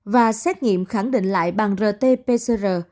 và xét nghiệm khẳng định lại bằng rt pcr